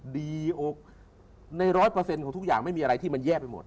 ดีอกใน๑๐๐ของทุกอย่างไม่มีอะไรที่มันแย่ไปหมด